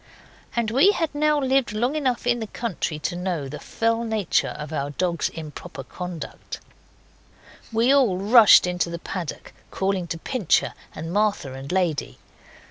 And we had now lived long enough in the country to know the fell nature of our dogs' improper conduct. We all rushed into the paddock, calling to Pincher, and Martha, and Lady.